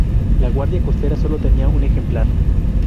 La Guardia Costera solo tenía un ejemplar.